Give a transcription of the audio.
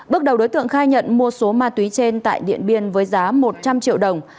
bước đầu đối tượng khai nhận mua số ma túy trên tại điện biên với giá một trăm linh triệu đồng